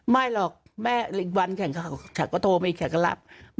ไม่หรอกอีกวันฉันก็โทรมาอีกวันฉันก็รับ